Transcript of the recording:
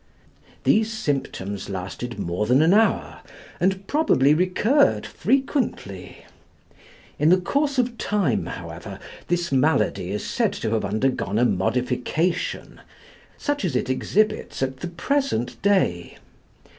These symptoms lasted more than an hour, and probably recurred frequently. In the course of time, however, this malady is said to have undergone a modification, such as it exhibits at the present day.